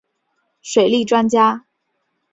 水利专家。